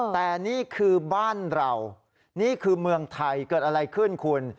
แต่นี่คือบ้านเรานี่คือเมืองไทยเกิดอะไรขึ้นคุณ